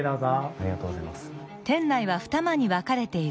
ありがとうございます。